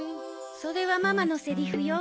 それはママのセリフよ。